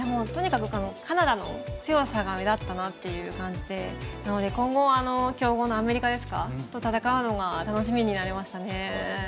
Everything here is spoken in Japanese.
とにかく、カナダの強さが目立ったなっていう感じでなので、今後強豪のアメリカと戦うのが楽しみになりましたね。